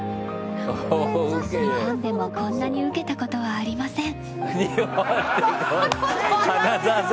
日本でもこんなにウケたことはありません。